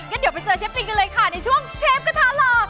เดี๋ยวไปเจอเชฟปิงกันเลยค่ะในช่วงเชฟกระทะหล่อ